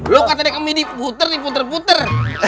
lu katanya kami diputer puter